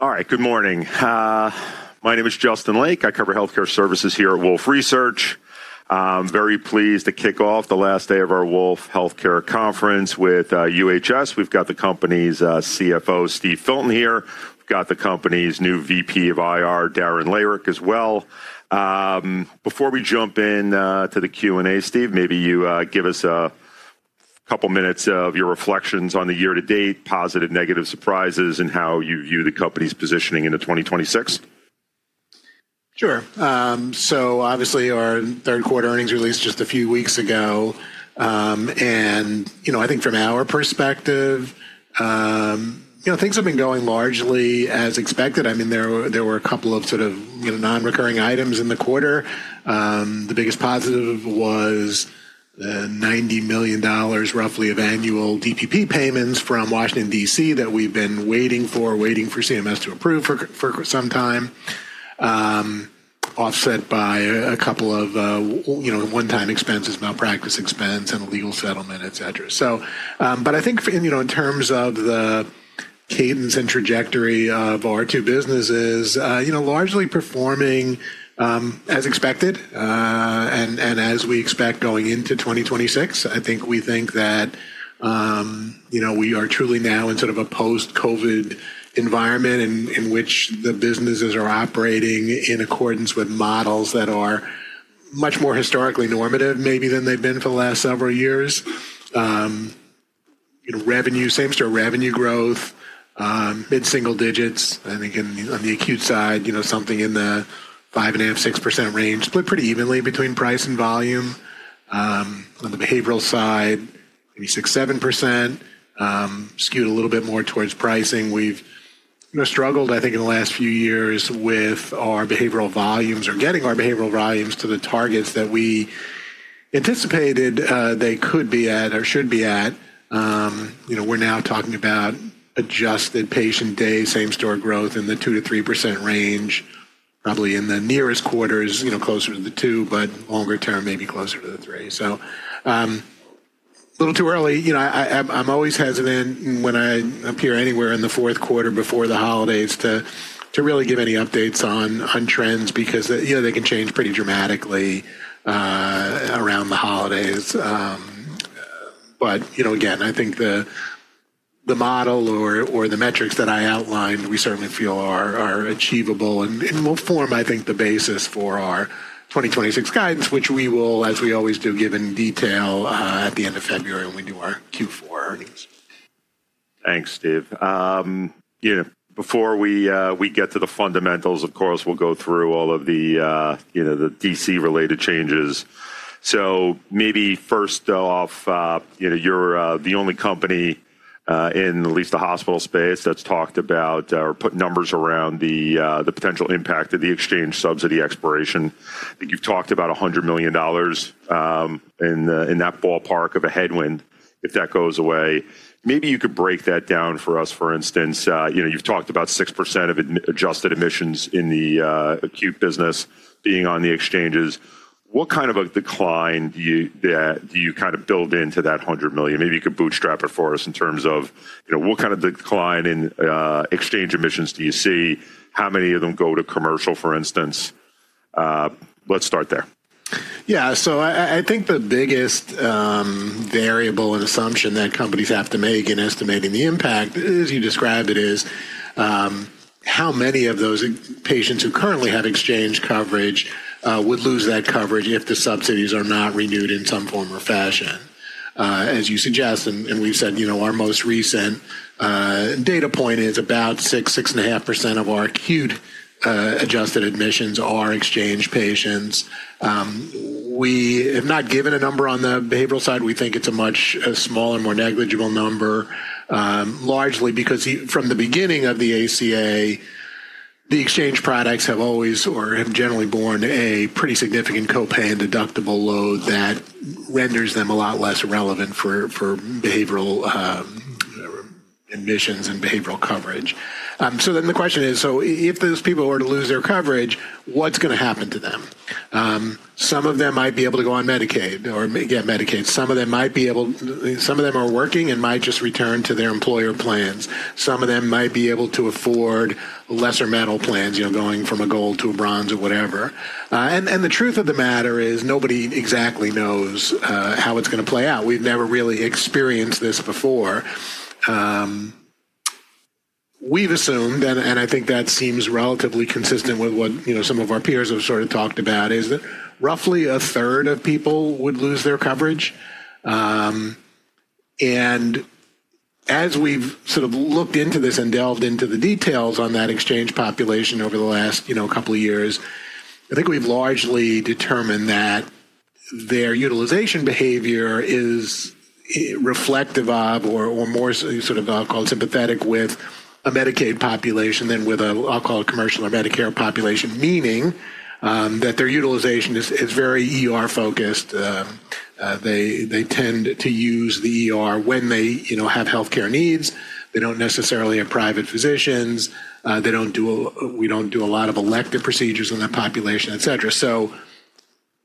All right, good morning. My name is Justin Lake. I cover healthcare services here at Wolfe Research. I'm very pleased to kick off the last day of our Wolfe Healthcare Conference with UHS. We've got the company's CFO, Steve Filton, here. We've got the company's new VP of IR, Darren Heikes, as well. Before we jump into the Q&A, Steve, maybe you give us a couple of minutes of your reflections on the year to date, positive and negative surprises, and how you view the company's positioning into 2026? Sure. Obviously, our third quarter earnings released just a few weeks ago. I think from our perspective, things have been going largely as expected. I mean, there were a couple of non-recurring items in the quarter. The biggest positive was the $90 million, roughly, of annual DPP payments from Washington, DC, that we've been waiting for, waiting for CMS to approve for some time, offset by a couple of one-time expenses, malpractice expense, and a legal settlement, etc. I think in terms of the cadence and trajectory of our two businesses, largely performing as expected and as we expect going into 2026. I think we think that we are truly now in sort of a post-COVID environment in which the businesses are operating in accordance with models that are much more historically normative, maybe, than they've been for the last several years. Revenue, same-store revenue growth, mid-single digits. I think on the acute side, something in the 5.5%-6% range, split pretty evenly between price and volume. On the behavioral side, maybe 6%-7%, skewed a little bit more towards pricing. We've struggled, I think, in the last few years with our behavioral volumes or getting our behavioral volumes to the targets that we anticipated they could be at or should be at. We're now talking about adjusted patient-day, same-store growth in the 2%-3% range, probably in the nearest quarters, closer to the 2%, but longer term, maybe closer to the 3%. A little too early. I'm always hesitant when I appear anywhere in the fourth quarter before the holidays to really give any updates on trends because they can change pretty dramatically around the holidays. I think the model or the metrics that I outlined, we certainly feel are achievable and will form, I think, the basis for our 2026 guidance, which we will, as we always do, give in detail at the end of February when we do our Q4 earnings. Thanks, Steve. Before we get to the fundamentals, of course, we'll go through all of the DC-related changes. Maybe first off, you're the only company in at least the hospital space that's talked about or put numbers around the potential impact of the exchange subsidy expiration. I think you've talked about $100 million in that ballpark of a headwind if that goes away. Maybe you could break that down for us. For instance, you've talked about 6% of adjusted admissions in the acute business being on the exchanges. What kind of a decline do you kind of build into that $100 million? Maybe you could bootstrap it for us in terms of what kind of decline in exchange admissions do you see? How many of them go to commercial, for instance? Let's start there. Yeah. I think the biggest variable and assumption that companies have to make in estimating the impact, as you describe it, is how many of those patients who currently have exchange coverage would lose that coverage if the subsidies are not renewed in some form or fashion, as you suggest. We've said our most recent data point is about 6%-6.5% of our acute adjusted admissions are exchange patients. We have not given a number on the behavioral side. We think it's a much smaller, more negligible number, largely because from the beginning of the ACA, the exchange products have always or have generally borne a pretty significant copay and deductible load that renders them a lot less relevant for behavioral admissions and behavioral coverage. The question is, if those people were to lose their coverage, what's going to happen to them? Some of them might be able to go on Medicaid or get Medicaid. Some of them might be able to, some of them are working and might just return to their employer plans. Some of them might be able to afford lesser-metal plans, going from a gold to a bronze or whatever. The truth of the matter is nobody exactly knows how it's going to play out. We've never really experienced this before. We've assumed, and I think that seems relatively consistent with what some of our peers have sort of talked about, is that roughly a third of people would lose their coverage. As we've sort of looked into this and delved into the details on that exchange population over the last couple of years, I think we've largely determined that their utilization behavior is reflective of or more sort of, I'll call it sympathetic with a Medicaid population than with a, I'll call it commercial or Medicare population, meaning that their utilization is very ER-focused. They tend to use the ER when they have healthcare needs. They don't necessarily have private physicians. We don't do a lot of elective procedures in that population, etc.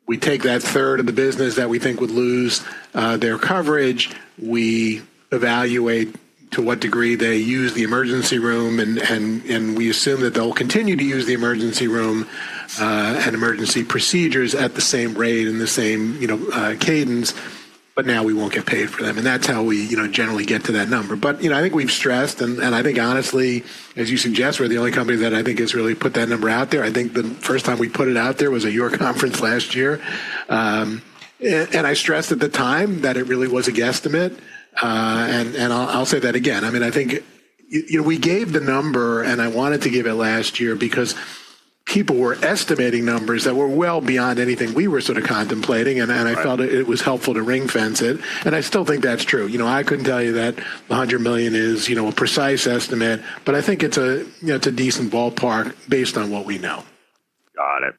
We take that third of the business that we think would lose their coverage. We evaluate to what degree they use the emergency room, and we assume that they'll continue to use the emergency room and emergency procedures at the same rate and the same cadence, but now we won't get paid for them. That is how we generally get to that number. I think we've stressed, and I think, honestly, as you suggest, we're the only company that has really put that number out there. I think the first time we put it out there was at your conference last year. I stressed at the time that it really was a guesstimate. I'll say that again. I think we gave the number, and I wanted to give it last year because people were estimating numbers that were well beyond anything we were sort of contemplating, and I felt it was helpful to ring-fence it. I still think that's true. I couldn't tell you that $100 million is a precise estimate, but I think it's a decent ballpark based on what we know. Got it.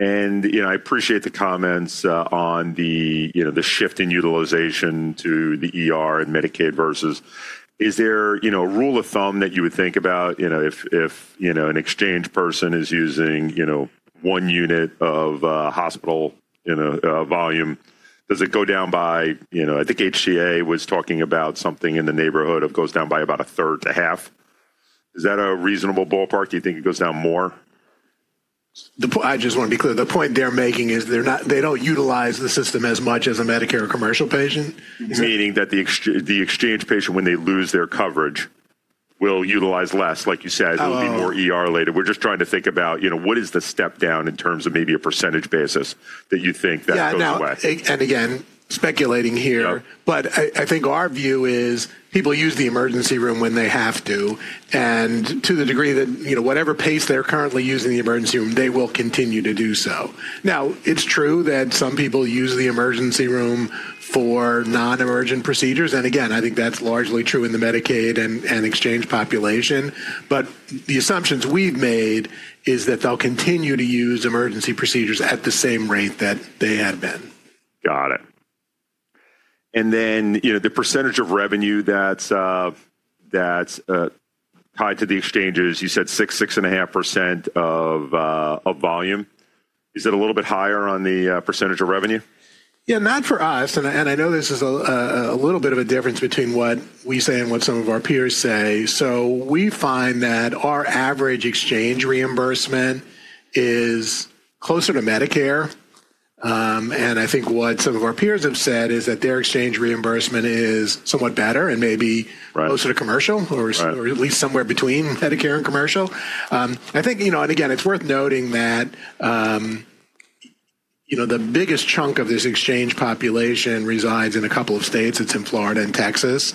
I appreciate the comments on the shift in utilization to the and Medicaid versus is there a rule of thumb that you would think about if an exchange person is using one unit of hospital volume? Does it go down by, I think HCA was talking about something in the neighborhood of goes down by about a third to half? Is that a reasonable ballpark? Do you think it goes down more? I just want to be clear. The point they're making is they don't utilize the system as much as a Medicare or commercial patient. Meaning that the exchange patient, when they lose their coverage, will utilize less, like you said. There will be more later. We are just trying to think about what is the step down in terms of maybe a % basis that you think that goes away. Yeah. Again, speculating here, but I think our view is people use the emergency room when they have to. To the degree that whatever pace they're currently using the emergency room, they will continue to do so. Now, it's true that some people use the emergency room for non-emergent procedures. Again, I think that's largely true in the Medicaid and exchange population. The assumptions we've made is that they'll continue to use emergency procedures at the same rate that they had been. Got it. The percentage of revenue that's tied to the exchanges, you said 6%, 6.5% of volume. Is it a little bit higher on the percentage of revenue? Yeah, not for us. I know this is a little bit of a difference between what we say and what some of our peers say. We find that our average exchange reimbursement is closer to Medicare. I think what some of our peers have said is that their exchange reimbursement is somewhat better and maybe closer to commercial or at least somewhere between Medicare and commercial. I think, again, it's worth noting that the biggest chunk of this exchange population resides in a couple of states. It's in Florida and Texas.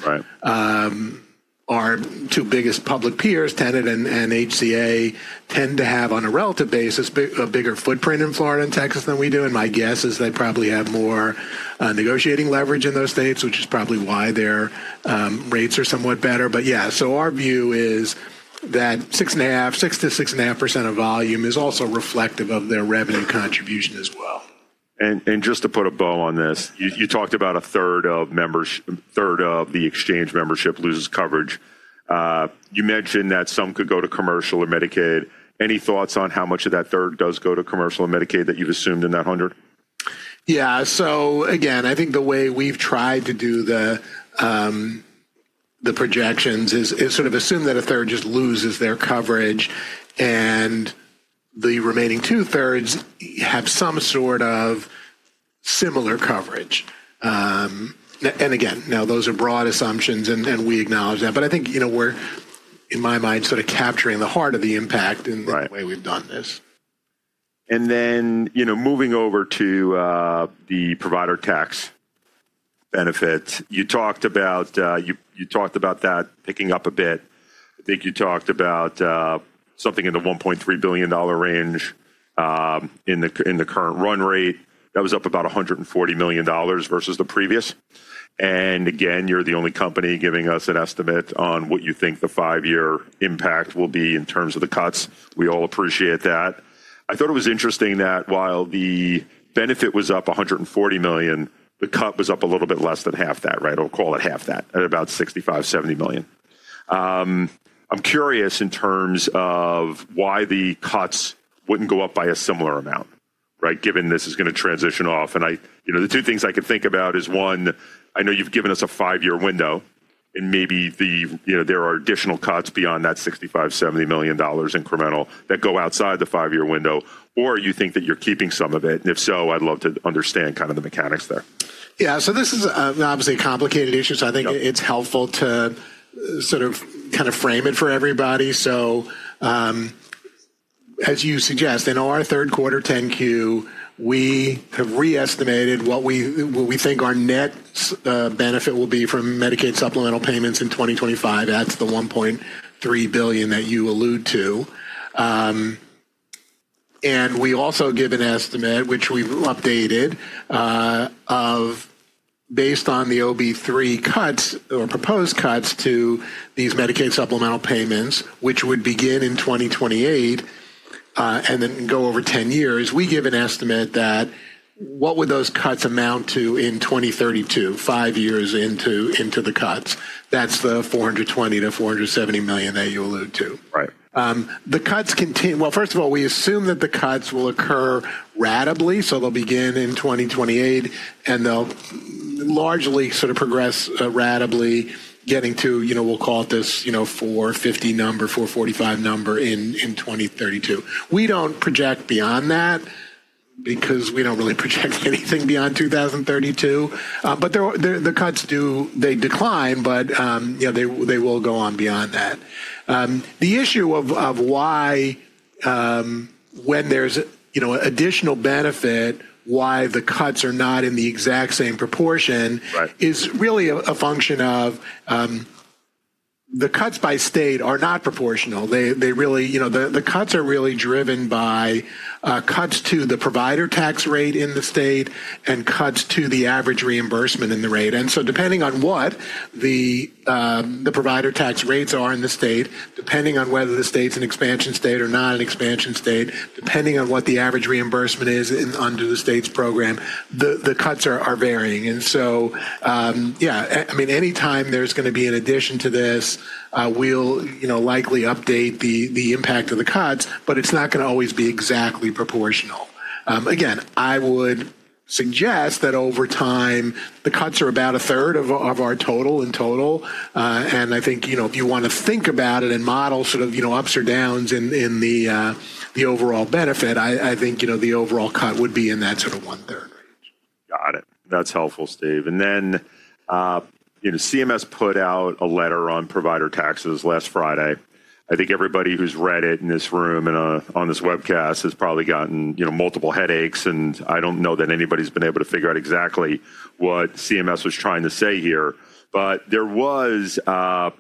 Our two biggest public peers, Tenet and HCA, tend to have on a relative basis a bigger footprint in Florida and Texas than we do. My guess is they probably have more negotiating leverage in those states, which is probably why their rates are somewhat better. Yeah, our view is that 6%-6.5% of volume is also reflective of their revenue contribution as well. Just to put a bow on this, you talked about a third of the exchange membership loses coverage. You mentioned that some could go to commercial or Medicaid. Any thoughts on how much of that third does go to commercial or Medicaid that you've assumed in that 100? Yeah. Again, I think the way we've tried to do the projections is sort of assume that a third just loses their coverage, and the remaining two-thirds have some sort of similar coverage. Again, those are broad assumptions, and we acknowledge that. I think we're, in my mind, sort of capturing the heart of the impact in the way we've done this. Moving over to the provider tax benefits, you talked about that picking up a bit. I think you talked about something in the $1.3 billion range in the current run rate. That was up about $140 million versus the previous. Again, you're the only company giving us an estimate on what you think the five-year impact will be in terms of the cuts. We all appreciate that. I thought it was interesting that while the benefit was up $140 million, the cut was up a little bit less than half that, right? Or call it half that, at about $65 million-$70 million. I'm curious in terms of why the cuts wouldn't go up by a similar amount, right, given this is going to transition off. The two things I could think about is, one, I know you've given us a five-year window, and maybe there are additional cuts beyond that $65 million-$70 million incremental that go outside the five-year window, or you think that you're keeping some of it. If so, I'd love to understand kind of the mechanics there. Yeah. This is obviously a complicated issue, so I think it's helpful to sort of kind of frame it for everybody. As you suggest, in our third quarter 10-Q, we have re-estimated what we think our net benefit will be from Medicaid supplemental payments in 2025. That's the $1.3 billion that you allude to. We also give an estimate, which we've updated, based on the OB3 cuts or proposed cuts to these Medicaid supplemental payments, which would begin in 2028 and then go over 10 years. We give an estimate that what would those cuts amount to in 2032, five years into the cuts. That's the $420 million-$470 million that you allude to. The cuts continue. First of all, we assume that the cuts will occur ratably, so they'll begin in 2028, and they'll largely sort of progress ratably, getting to, we'll call it this $450 million number, $445 million number in 2032. We don't project beyond that because we don't really project anything beyond 2032. The cuts do decline, but they will go on beyond that. The issue of why when there's additional benefit, why the cuts are not in the exact same proportion is really a function of the cuts by state are not proportional. The cuts are really driven by cuts to the provider tax rate in the state and cuts to the average reimbursement in the rate. Depending on what the provider tax rates are in the state, depending on whether the state's an expansion state or not an expansion state, depending on what the average reimbursement is under the state's program, the cuts are varying. Yeah, I mean, anytime there's going to be an addition to this, we'll likely update the impact of the cuts, but it's not going to always be exactly proportional. Again, I would suggest that over time, the cuts are about a third of our total in total. I think if you want to think about it and model sort of ups or downs in the overall benefit, I think the overall cut would be in that sort of one-third range. Got it. That's helpful, Steve. CMS put out a letter on provider taxes last Friday. I think everybody who's read it in this room and on this webcast has probably gotten multiple headaches, and I don't know that anybody's been able to figure out exactly what CMS was trying to say here. There was a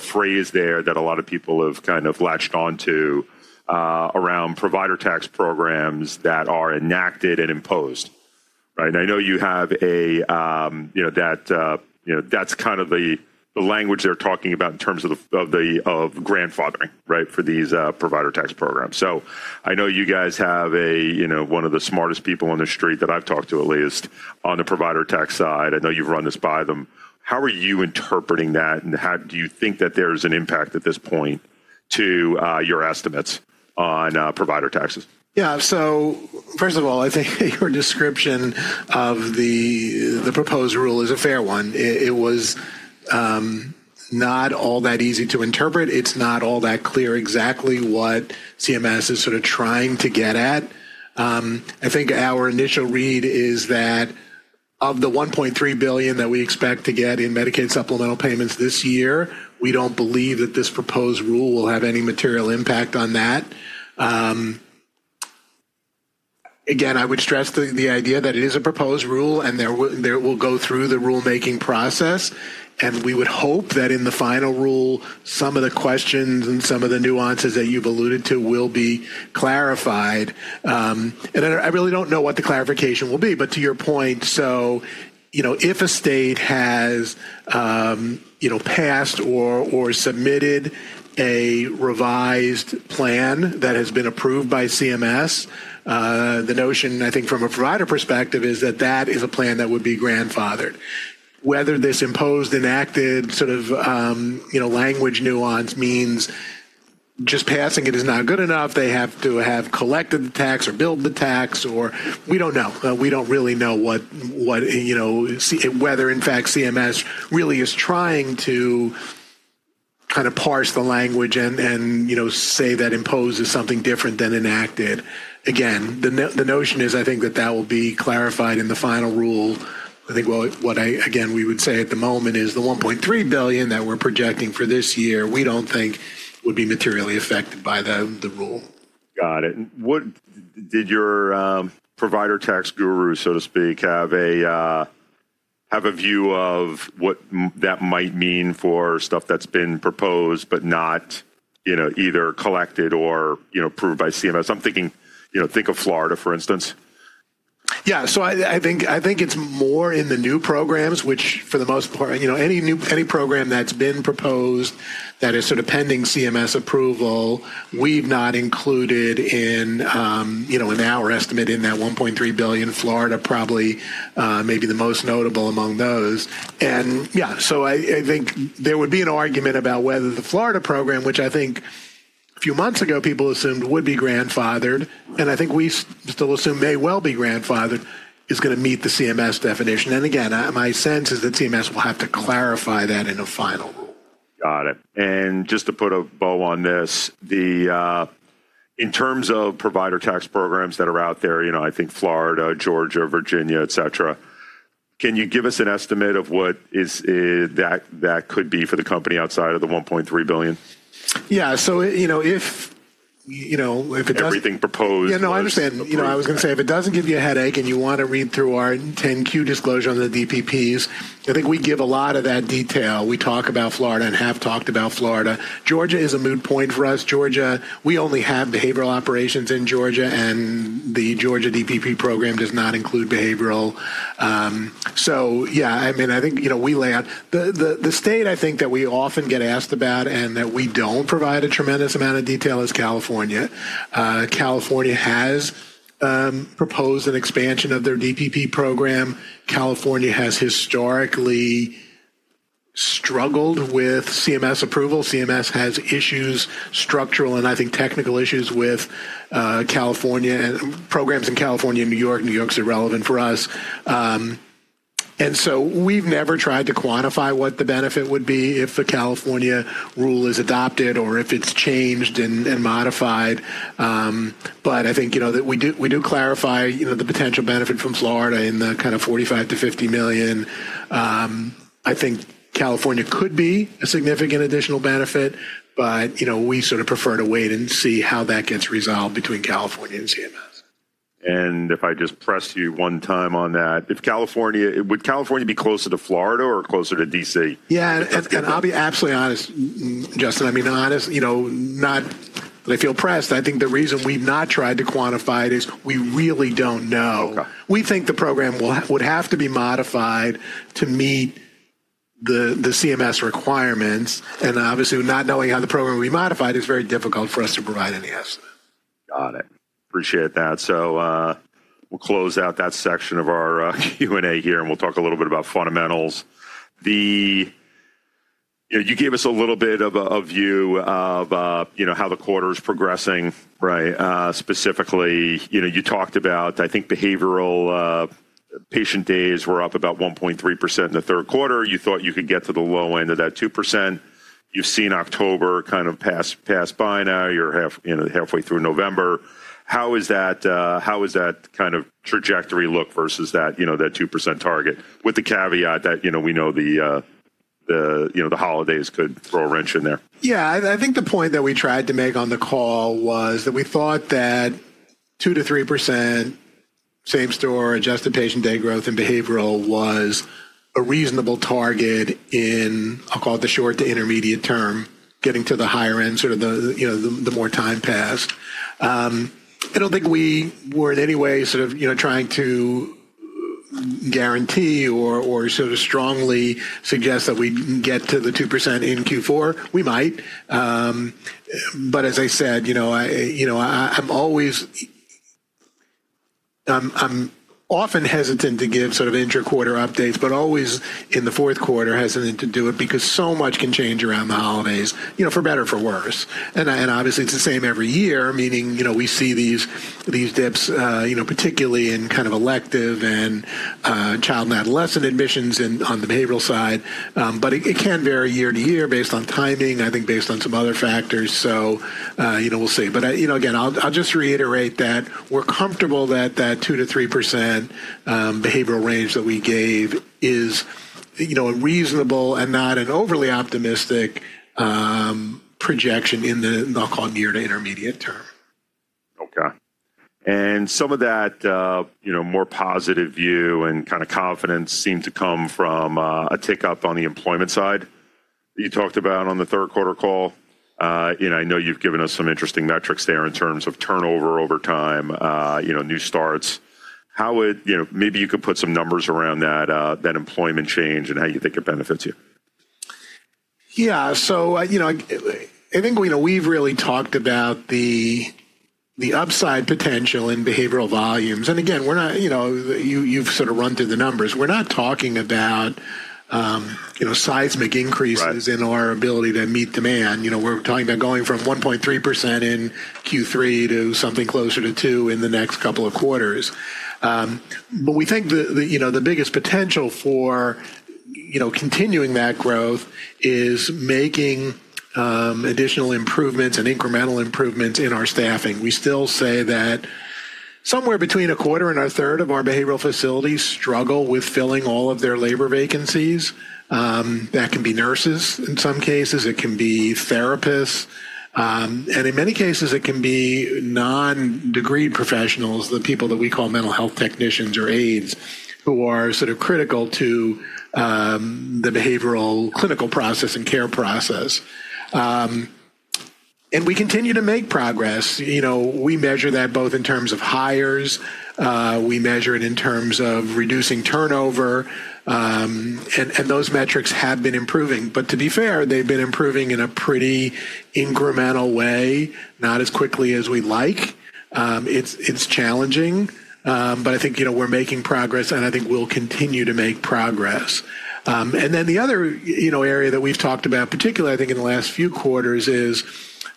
phrase there that a lot of people have kind of latched onto around provider tax programs that are enacted and imposed, right? I know you have a, that's kind of the language they're talking about in terms of grandfathering, right, for these provider tax programs. I know you guys have one of the smartest people on the street that I've talked to at least on the provider tax side. I know you've run this by them. How are you interpreting that, and do you think that there's an impact at this point to your estimates on provider taxes? Yeah. First of all, I think your description of the proposed rule is a fair one. It was not all that easy to interpret. It is not all that clear exactly what CMS is sort of trying to get at. I think our initial read is that of the $1.3 billion that we expect to get in Medicaid supplemental payments this year, we do not believe that this proposed rule will have any material impact on that. Again, I would stress the idea that it is a proposed rule, and it will go through the rulemaking process. We would hope that in the final rule, some of the questions and some of the nuances that you have alluded to will be clarified. I really don't know what the clarification will be, but to your point, if a state has passed or submitted a revised plan that has been approved by CMS, the notion, I think from a provider perspective, is that that is a plan that would be grandfathered. Whether this imposed enacted sort of language nuance means just passing it is not good enough, they have to have collected the tax or billed the tax, or we don't know. We don't really know whether, in fact, CMS really is trying to kind of parse the language and say that imposed is something different than enacted. Again, the notion is, I think, that that will be clarified in the final rule. I think what, again, we would say at the moment is the $1.3 billion that we're projecting for this year, we don't think would be materially affected by the rule. Got it. Did your provider tax guru, so to speak, have a view of what that might mean for stuff that's been proposed but not either collected or approved by CMS? I'm thinking of Florida, for instance. Yeah. I think it's more in the new programs, which for the most part, any program that's been proposed that is sort of pending CMS approval, we've not included in our estimate in that $1.3 billion. Florida probably may be the most notable among those. Yeah, I think there would be an argument about whether the Florida program, which I think a few months ago people assumed would be grandfathered, and I think we still assume may well be grandfathered, is going to meet the CMS definition. Again, my sense is that CMS will have to clarify that in a final rule. Got it. Just to put a bow on this, in terms of provider tax programs that are out there, I think Florida, Georgia, Virginia, etc., can you give us an estimate of what that could be for the company outside of the $1.3 billion? Yeah. If it does. Everything proposed. Yeah, no, I understand. I was going to say if it doesn't give you a headache and you want to read through our 10-Q disclosure on the DPPs, I think we give a lot of that detail. We talk about Florida and have talked about Florida. Georgia is a moot point for us. Georgia, we only have behavioral operations in Georgia, and the Georgia DPP program does not include behavioral. Yeah, I mean, I think we lay out the state, I think, that we often get asked about and that we don't provide a tremendous amount of detail is California. California has proposed an expansion of their DPP program. California has historically struggled with CMS approval. CMS has issues, structural and I think technical issues with programs in California and New York. New York's irrelevant for us. We have never tried to quantify what the benefit would be if the California rule is adopted or if it is changed and modified. I think we do clarify the potential benefit from Florida in the kind of $45 million-$50 million. I think California could be a significant additional benefit, but we prefer to wait and see how that gets resolved between California and CMS. If I just press you one time on that, would California be closer to Florida or closer to DC? Yeah. I'll be absolutely honest, Justin. I mean, honest, not that I feel pressed. I think the reason we've not tried to quantify it is we really don't know. We think the program would have to be modified to meet the CMS requirements. Obviously, not knowing how the program will be modified is very difficult for us to provide any estimate. Got it. Appreciate that. We will close out that section of our Q&A here, and we will talk a little bit about fundamentals. You gave us a little bit of a view of how the quarter's progressing, right? Specifically, you talked about, I think, behavioral patient days were up about 1.3% in the third quarter. You thought you could get to the low end of that 2%. You have seen October kind of pass by now. You are halfway through November. How does that kind of trajectory look versus that 2% target with the caveat that we know the holidays could throw a wrench in there? Yeah. I think the point that we tried to make on the call was that we thought that 2%-3%, same store, adjusted patient day growth in behavioral was a reasonable target in, I'll call it the short to intermediate term, getting to the higher end, sort of the more time passed. I don't think we were in any way sort of trying to guarantee or sort of strongly suggest that we get to the 2% in Q4. We might. As I said, I'm often hesitant to give sort of intra-quarter updates, always in the fourth quarter hesitant to do it because so much can change around the holidays, for better or for worse. Obviously, it's the same every year, meaning we see these dips, particularly in kind of elective and child and adolescent admissions on the behavioral side. It can vary year to year based on timing, I think, based on some other factors. We will see. I will just reiterate that we are comfortable that that 2%-3% behavioral range that we gave is a reasonable and not an overly optimistic projection in the, I will call it, near to intermediate term. Okay. Some of that more positive view and kind of confidence seemed to come from a tick up on the employment side that you talked about on the third quarter call. I know you've given us some interesting metrics there in terms of turnover over time, new starts. Maybe you could put some numbers around that employment change and how you think it benefits you. Yeah. I think we've really talked about the upside potential in behavioral volumes. Again, you've sort of run through the numbers. We're not talking about seismic increases in our ability to meet demand. We're talking about going from 1.3% in Q3 to something closer to 2% in the next couple of quarters. We think the biggest potential for continuing that growth is making additional improvements and incremental improvements in our staffing. We still say that somewhere between a quarter and a third of our behavioral facilities struggle with filling all of their labor vacancies. That can be nurses in some cases. It can be therapists. In many cases, it can be non-degreed professionals, the people that we call mental health technicians or aides, who are sort of critical to the behavioral clinical process and care process. We continue to make progress. We measure that both in terms of hires. We measure it in terms of reducing turnover. Those metrics have been improving. To be fair, they've been improving in a pretty incremental way, not as quickly as we'd like. It's challenging, but I think we're making progress, and I think we'll continue to make progress. The other area that we've talked about, particularly, I think in the last few quarters, is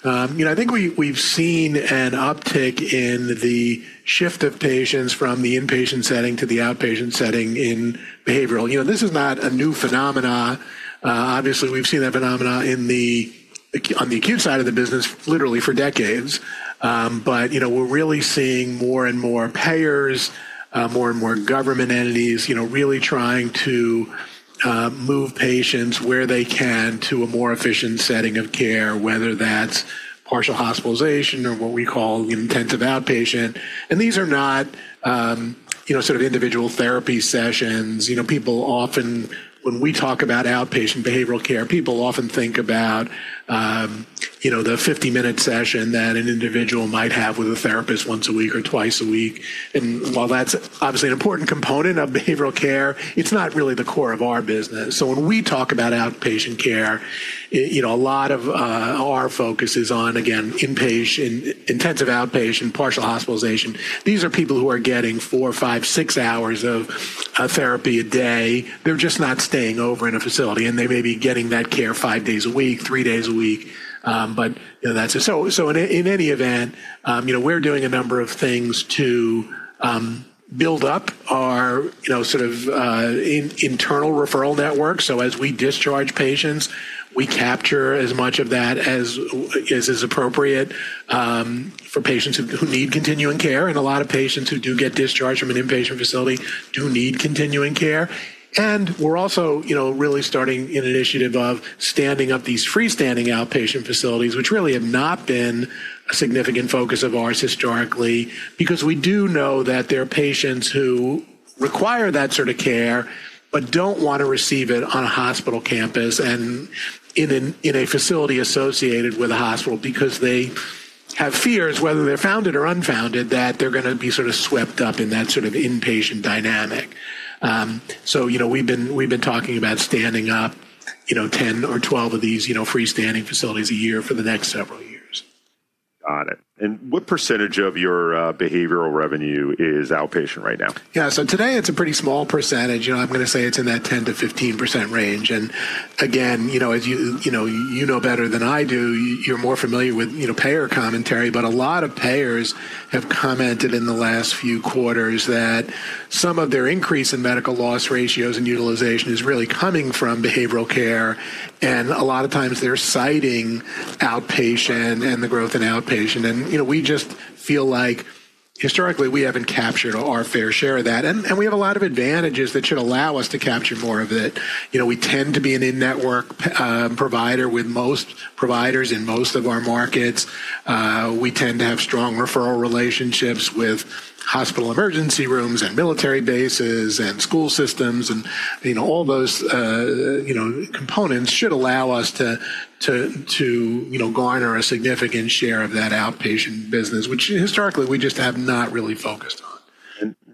I think we've seen an uptick in the shift of patients from the inpatient setting to the outpatient setting in behavioral. This is not a new phenomenon. Obviously, we've seen that phenomenon on the acute side of the business literally for decades. We're really seeing more and more payers, more and more government entities really trying to move patients where they can to a more efficient setting of care, whether that's partial hospitalization or what we call intensive outpatient. These are not sort of individual therapy sessions. People often, when we talk about outpatient behavioral care, people often think about the 50-minute session that an individual might have with a therapist once a week or twice a week. While that's obviously an important component of behavioral care, it's not really the core of our business. When we talk about outpatient care, a lot of our focus is on, again, intensive outpatient, partial hospitalization. These are people who are getting four, five, six hours of therapy a day. They're just not staying over in a facility, and they may be getting that care five days a week, three days a week. That is it. In any event, we're doing a number of things to build up our sort of internal referral network. As we discharge patients, we capture as much of that as is appropriate for patients who need continuing care. A lot of patients who do get discharged from an inpatient facility do need continuing care. We are also really starting an initiative of standing up these freestanding outpatient facilities, which really have not been a significant focus of ours historically because we do know that there are patients who require that sort of care but do not want to receive it on a hospital campus and in a facility associated with a hospital because they have fears, whether they are founded or unfounded, that they are going to be sort of swept up in that sort of inpatient dynamic. We have been talking about standing up 10 or 12 of these freestanding facilities a year for the next several years. Got it. What percentage of your behavioral revenue is outpatient right now? Yeah. Today, it's a pretty small percentage. I'm going to say it's in that 10%-15% range. Again, as you know better than I do, you're more familiar with payer commentary, but a lot of payers have commented in the last few quarters that some of their increase in medical loss ratios and utilization is really coming from behavioral care. A lot of times, they're citing outpatient and the growth in outpatient. We just feel like historically, we haven't captured our fair share of that. We have a lot of advantages that should allow us to capture more of it. We tend to be an in-network provider with most providers in most of our markets. We tend to have strong referral relationships with hospital emergency rooms and military bases and school systems. All those components should allow us to garner a significant share of that outpatient business, which historically, we just have not really focused on.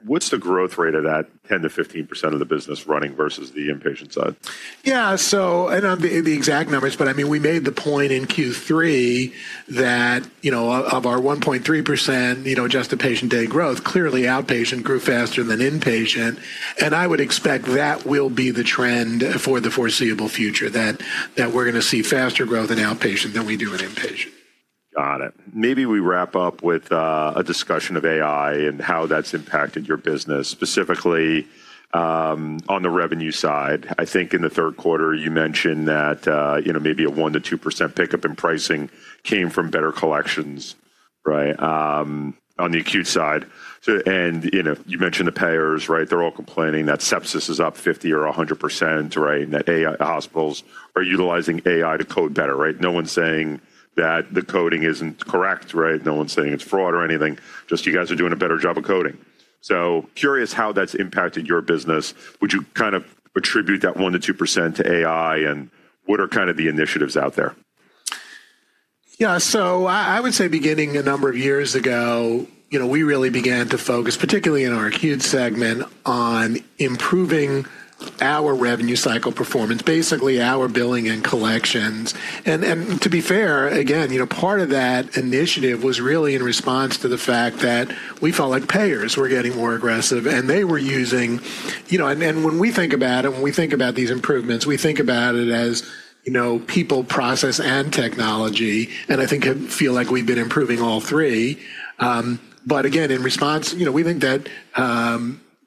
What is the growth rate of that 10%-15% of the business running versus the inpatient side? Yeah. I do not have the exact numbers, but I mean, we made the point in Q3 that of our 1.3% adjusted patient day growth, clearly outpatient grew faster than inpatient. I would expect that will be the trend for the foreseeable future, that we are going to see faster growth in outpatient than we do in inpatient. Got it. Maybe we wrap up with a discussion of AI and how that's impacted your business, specifically on the revenue side. I think in the third quarter, you mentioned that maybe a 1%-2% pickup in pricing came from better collections, right, on the acute side. And you mentioned the payers, right? They're all complaining that sepsis is up 50% or 100%, right, and that hospitals are utilizing AI to code better, right? No one's saying that the coding isn't correct, right? No one's saying it's fraud or anything. Just you guys are doing a better job of coding. So curious how that's impacted your business. Would you kind of attribute that 1%-2% to AI, and what are kind of the initiatives out there? Yeah. I would say beginning a number of years ago, we really began to focus, particularly in our acute segment, on improving our revenue cycle performance, basically our billing and collections. To be fair, again, part of that initiative was really in response to the fact that we felt like payers were getting more aggressive, and they were using. When we think about it, when we think about these improvements, we think about it as people, process, and technology. I think I feel like we've been improving all three. Again, in response, we think that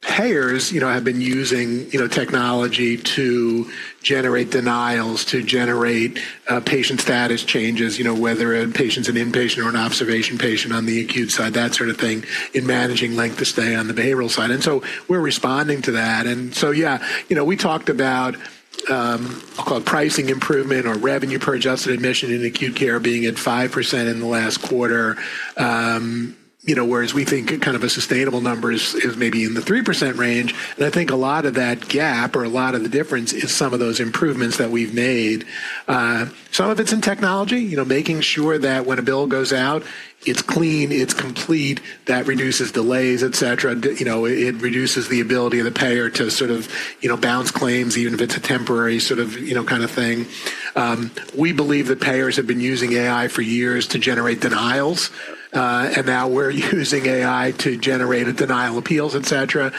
payers have been using technology to generate denials, to generate patient status changes, whether a patient's an inpatient or an observation patient on the acute side, that sort of thing, in managing length of stay on the behavioral side. We're responding to that. Yeah, we talked about, I'll call it, pricing improvement or revenue per adjusted admission in acute care being at 5% in the last quarter, whereas we think kind of a sustainable number is maybe in the 3% range. I think a lot of that gap or a lot of the difference is some of those improvements that we've made. Some of it's in technology, making sure that when a bill goes out, it's clean, it's complete. That reduces delays, etc. It reduces the ability of the payer to sort of bounce claims, even if it's a temporary sort of kind of thing. We believe that payers have been using AI for years to generate denials. Now we're using AI to generate denial appeals, etc.,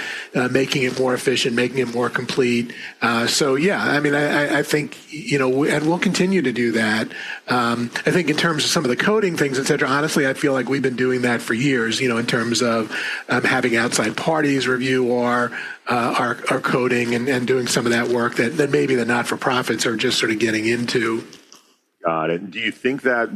making it more efficient, making it more complete. Yeah, I mean, I think, and we'll continue to do that. I think in terms of some of the coding things, etc., honestly, I feel like we've been doing that for years in terms of having outside parties review our coding and doing some of that work that maybe the not-for-profits are just sort of getting into. Got it. Do you think that,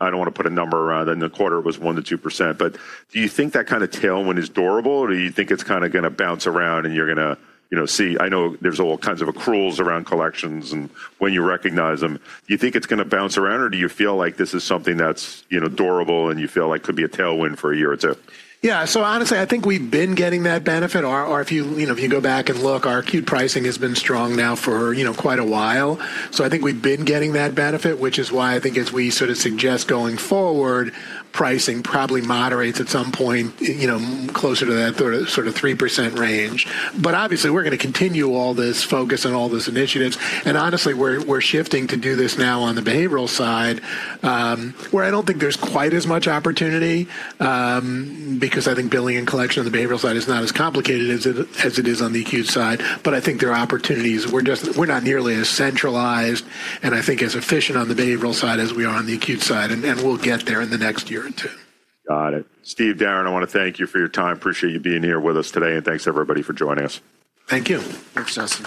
I don't want to put a number in, the quarter was 1%-2%, but do you think that kind of tailwind is durable, or do you think it's kind of going to bounce around and you're going to see? I know there's all kinds of accruals around collections and when you recognize them. Do you think it's going to bounce around, or do you feel like this is something that's durable and you feel like could be a tailwind for a year or two? Yeah. Honestly, I think we've been getting that benefit. If you go back and look, our acute pricing has been strong now for quite a while. I think we've been getting that benefit, which is why I think as we sort of suggest going forward, pricing probably moderates at some point closer to that sort of 3% range. Obviously, we're going to continue all this focus and all these initiatives. Honestly, we're shifting to do this now on the behavioral side, where I don't think there's quite as much opportunity because I think billing and collection on the behavioral side is not as complicated as it is on the acute side. I think there are opportunities. We're not nearly as centralized and I think as efficient on the behavioral side as we are on the acute side. We'll get there in the next year or two. Got it. Steve, Darren, I want to thank you for your time. Appreciate you being here with us today. Thanks, everybody, for joining us. Thank you.